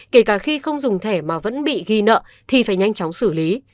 kể cả khi không dùng thẻ mà vẫn bị ghi nợ thì phải nhanh chóng xử lý